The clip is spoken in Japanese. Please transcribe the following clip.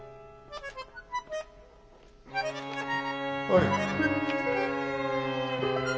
おい。